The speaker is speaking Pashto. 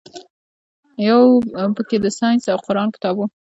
يو پکښې د ساينس او قران کتاب و.